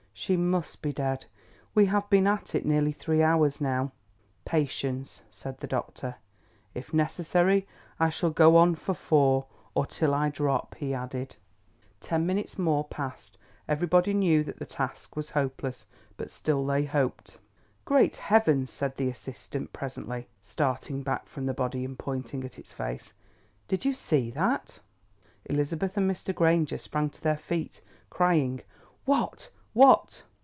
"She must be dead; we have been at it nearly three hours now." "Patience," said the doctor. "If necessary I shall go on for four—or till I drop," he added. Ten minutes more passed. Everybody knew that the task was hopeless, but still they hoped. "Great Heavens!" said the assistant presently, starting back from the body and pointing at its face. "Did you see that?" Elizabeth and Mr. Granger sprang to their feet, crying, "What, what?"